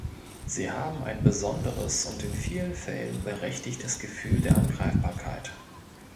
Sie haben ein besonderes und in vielen Fällen berechtigtes Gefühl der Angreifbarkeit.